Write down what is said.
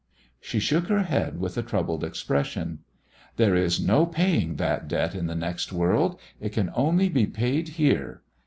She shook her head with a troubled expression. "There is no paying that debt in the next world. It can only be paid here.